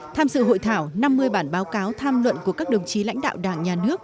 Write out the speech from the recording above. tham dự hội thảo năm mươi bản báo cáo tham luận của các đồng chí lãnh đạo đảng nhà nước